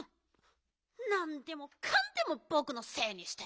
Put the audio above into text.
なんでもかんでもぼくのせいにして。